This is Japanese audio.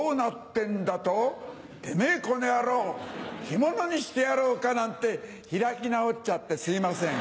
てめぇこの野郎干物にしてやろうかなんて開き直っちゃってすいません。